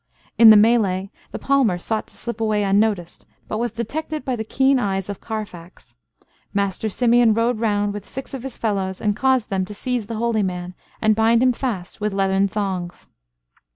In the mêlée the palmer sought to slip away unnoticed, but was detected by the keen eyes of Carfax. Master Simeon rode round with six of his fellows and caused them to seize the holy man, and bind him fast with leathern thongs.